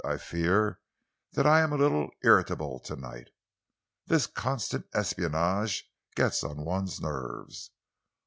"I fear that I am a little irritable to night. This constant espionage gets on one's nerves.